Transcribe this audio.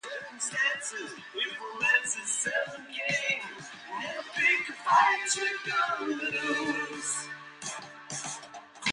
The song peaked at number three on the "Billboard" Hot Adult Contemporary chart.